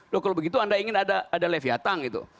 loh kalau begitu anda ingin ada leviatan gitu